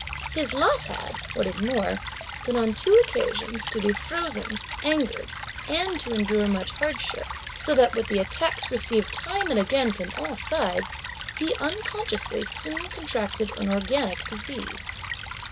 His lot had, what is more, been on two occasions to be frozen, angered and to endure much hardship, so that with the attacks received time and again from all sides, he unconsciously soon contracted an organic disease.